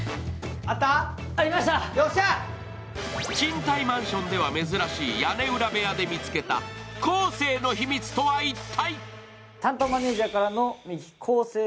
賃貸マンションでは珍しい屋根裏部屋で見つけた昴生の秘密とは一体！？